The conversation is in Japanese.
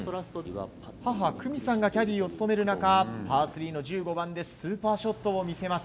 母・久美さんがキャディーを務める中パー３の１５番でスーパーショットを見せます。